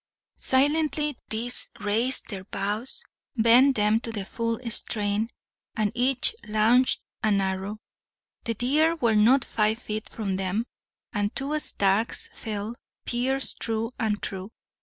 Silently these raised their bows, bent them to the full strain, and each launched an arrow. The deer were not five feet from them, and two stags fell, pierced through and through.